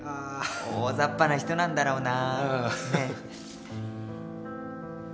大ざっぱな人なんだろうな。